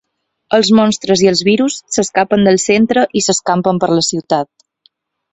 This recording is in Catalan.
Els monstres i el virus s'escapen del centre i s'escampen per la ciutat.